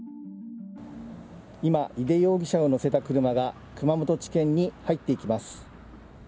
今、井手容疑者を乗せた車が熊本地検に入っていきます。